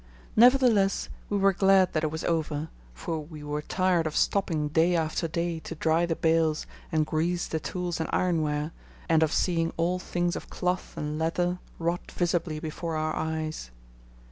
Nevertheless, we were glad that it was over, for we were tired of stopping day after day to dry the bales and grease the tools and ironware, and of seeing all things of cloth and leather rot visibly before our eyes.